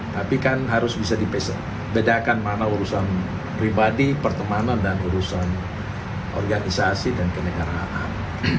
tapi kan harus bisa dibedakan mana urusan pribadi pertemanan dan urusan organisasi dan kenegaraan